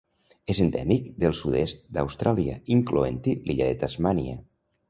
És endèmic del sud-est d'Austràlia, incloent-hi l'illa de Tasmània.